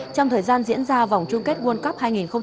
trong thời gian diễn ra vòng chung kết world cup hai nghìn một mươi tám